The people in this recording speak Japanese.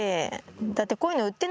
だって。